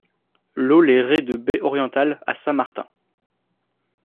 LOT LES RES DE BAIE ORIENTALE à Saint Martin